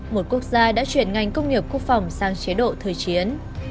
một quốc gia đã chuyển ngành công nghiệp quốc phòng sang chế độ thời chiến